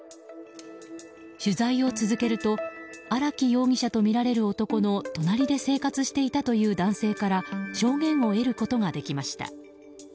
取材を続けると荒木容疑者とみられる男の隣で生活していたという男性から証言を得ることができました。